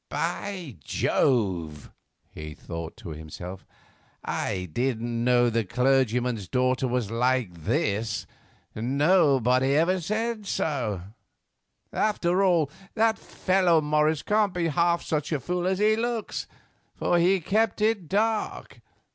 "By Jove!" he thought to himself, "I didn't know that the clergyman's daughter was like this; nobody ever said so. After all, that fellow Morris can't be half such a fool as he looks, for he kept it dark."